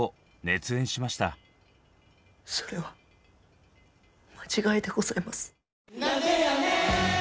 それは間違いでございます。